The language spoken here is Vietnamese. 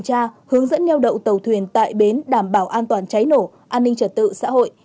lao đậu tàu thuyền tại bến đảm bảo an toàn cháy nổ an ninh trật tự xã hội